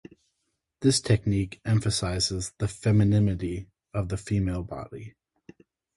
This technique emphasises the femininity of the female body.